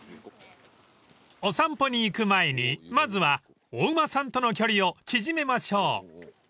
［お散歩に行く前にまずはお馬さんとの距離を縮めましょう］